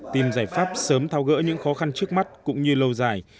tìm giải pháp sớm thao gỡ những khó khăn trước mắt cũng như lâu dài